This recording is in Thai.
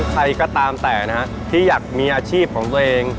ใครก็ตามแต่นะฮะที่อยากมีอาชีพของตัวเอง